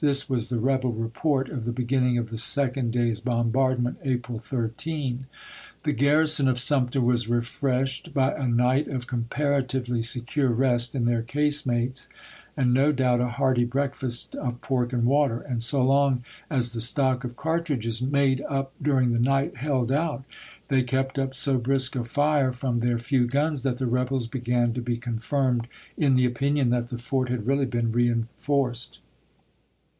This was the Ripioy, <=>'^^ Report, rebel report of the beginning of the second day's ^^r"' yoV bombardment, April 13. The garrison of Sumter i 'P *i was refreshed by a night of comparatively secure rest in their casemates, and, no doubt, a hearty breakfast of pork and water; and, so long as the stock of cartridges made up during the night held out, they kept up so brisk a fire from their few guns that the rebels began to be confirmed in the opinion that the fort had really been reenforced.